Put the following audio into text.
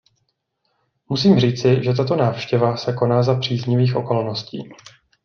Musím říci, že tato návštěva se koná za příznivých okolností.